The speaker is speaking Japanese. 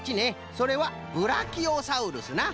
それはブラキオサウルスな。